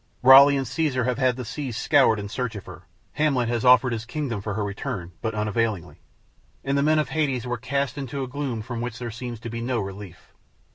Raleigh and Caesar have had the seas scoured in search of her, Hamlet has offered his kingdom for her return, but unavailingly; and the men of Hades were cast into a gloom from which there seems to be no relief.